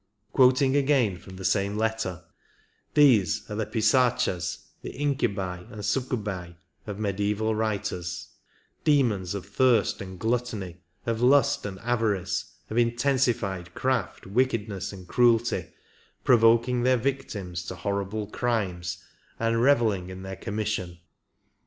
Quoting again from the same letter: — "These are the Pisichas, the incubi and succubcB of mediaeval writers — demons of thirst and gluttony, of lust and avarice, of intensified craft, wickedness and cruelty, provoking their victims to horrible crimes, and revelling in their commis 40 sion